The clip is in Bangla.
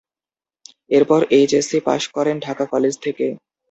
এরপর এইচএসসি পাস করেন ঢাকা কলেজ থেকে।